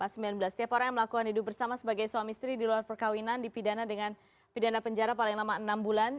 setiap orang yang melakukan hidup bersama sebagai suami istri di luar perkawinan dipidana dengan pidana penjara paling lama enam bulan